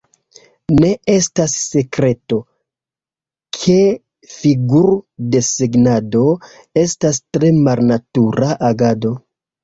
Ne estas sekreto, ke figur-desegnado estas tre malnatura agado.